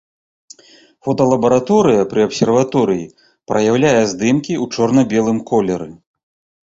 Фоталабараторыя пры абсерваторыі праяўляе здымкі ў чорна-белым колеры.